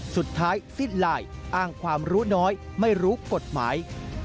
สุดท้ายสิ้นลายอ้างความรู้น้อยไม่รู้กฎหมาย